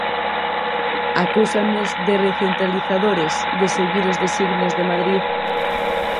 Acúsannos de recentralizadores, de seguir os designios de Madrid.